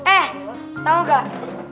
eh tau gak